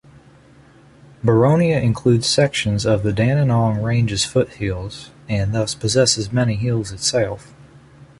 Boronia includes sections of the Dandenong Ranges foothills and thus possesses many hills itself.